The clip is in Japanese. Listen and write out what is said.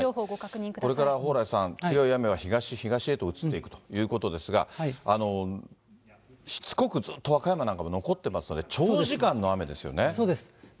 これから蓬莱さん、強い雨が東、東へと移っていくということですが、しつこくずっと和歌山なんかも残ってますので、そうです。